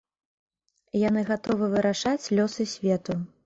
Яны гатовы вырашаць лёсы свету.